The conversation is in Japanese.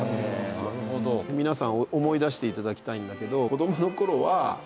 皆さん思い出して頂きたいんだけど。